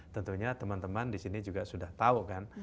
tentunya teman teman disini juga sudah tahu kan